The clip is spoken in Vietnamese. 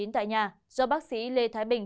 tại nhà do bác sĩ lê thái bình